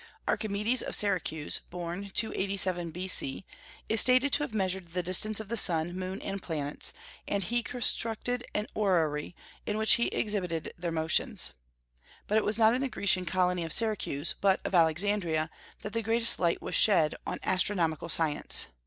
Archimedes of Syracuse, born 287 B.C., is stated to have measured the distance of the sun, moon, and planets, and he constructed an orrery in which he exhibited their motions. But it was not in the Grecian colony of Syracuse, but of Alexandria, that the greatest light was shed on astronomical science.